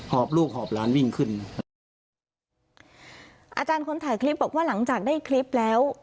อบลูกหอบหลานวิ่งขึ้นอาจารย์คนถ่ายคลิปบอกว่าหลังจากได้คลิปแล้ว